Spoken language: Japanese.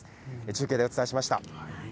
中継でお伝えしました。